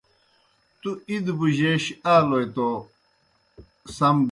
تُوْ اِدہ بُجَیش آلوْ توْ سم بُو۔